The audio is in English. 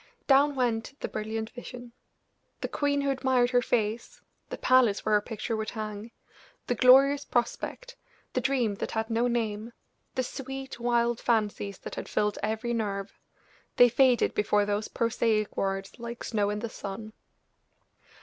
Down went the brilliant vision! The queen who admired her face, the palace where her picture would hang, the glorious prospect, the dream that had no name, the sweet, wild fancies that had filled every nerve they faded before those prosaic words like snow in the sun!